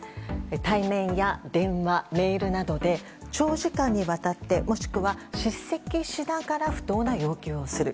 対面や電話、メールなどで長時間にわたってもしくは叱責しながら不当な要求をする。